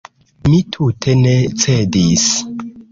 Mi tute ne cedis.